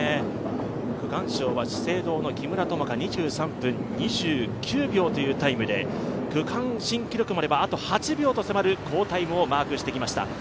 区間賞は資生堂の木村友香２３分２９秒というタイムで区間新記録まではあと８秒と迫る好タイムをマークしてきました。